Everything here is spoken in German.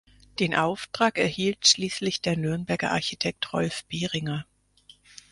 Den Auftrag erhielt schließlich der Nürnberger Architekt Rolf Behringer.